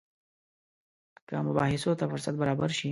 که مباحثو ته فرصت برابر شي.